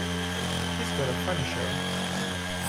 He's got a funny show.